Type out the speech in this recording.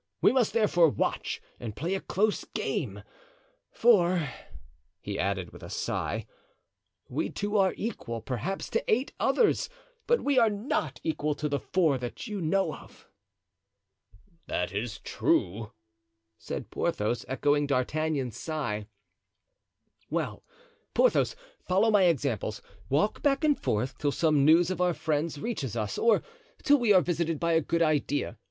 We must, therefore, watch and play a close game; for," he added with a sigh, "we two are equal, perhaps, to eight others; but we are not equal to the four that you know of." "That is true," said Porthos, echoing D'Artagnan's sigh. "Well, Porthos, follow my examples; walk back and forth till some news of our friends reaches us or till we are visited by a good idea.